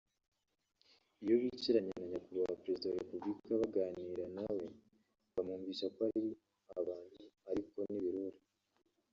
Iyo bicaranye na Nyakubahwa perezida wa Repubulika baganira nawe bamwumvisha ko ari abantu ariko ni ibirura